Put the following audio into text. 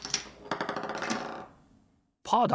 パーだ！